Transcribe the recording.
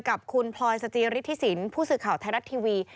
กับคุณพลอยสจิฤทธิสินผู้สื่อข่าวไทยรัฐทีวี